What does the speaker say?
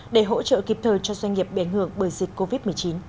để hỗ trợ kịp thời cho doanh nghiệp bị ảnh hưởng bởi dịch covid một mươi chín